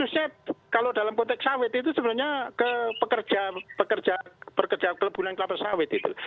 sebenarnya kalau dalam konteks sawit itu sebenarnya ke pekerja pekerja kelebunan kelapa sawit itu